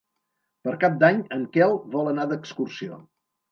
Per Cap d'Any en Quel vol anar d'excursió.